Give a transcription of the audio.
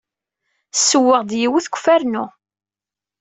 Ssewweɣ-d yiwet deg ufarnu.